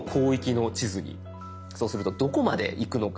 そうするとどこまでいくのか。